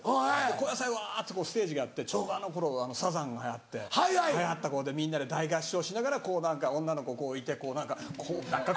後夜祭わっとステージがあってちょうどあの頃サザンが流行って流行った頃でみんなで大合唱しながらこう女の子いて何かこうやって。